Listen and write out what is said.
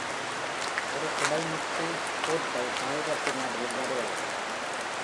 ஒரு கிடைமட்ட கோட்டை காகிதத்தின் நடுவில் வரையவும்.